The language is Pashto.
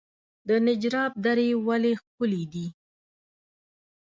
نجراب درې ولې ښکلې دي؟